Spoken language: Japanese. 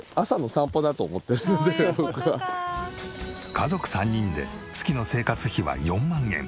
家族３人で月の生活費は４万円。